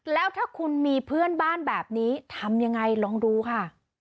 แล้วถ้าคุณมีเพื่อนบ้านแบบนี้ทำยังไงลองดูค่ะ